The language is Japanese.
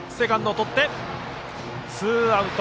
ツーアウト。